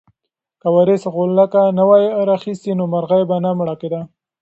که وارث غولکه نه وای راخیستې نو مرغۍ به نه مړه کېده.